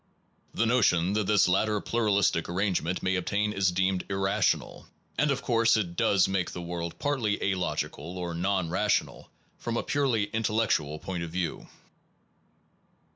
The notion that this latter pluralistic arrangement may obtain is deemed irrational ; and of course it does make the world partly alogical or non rational from a purely intellectual point of view.